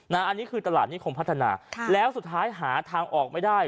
อันนี้คือตลาดนิคมพัฒนาแล้วสุดท้ายหาทางออกไม่ได้